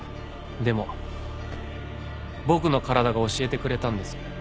でも僕の体が教えてくれたんです。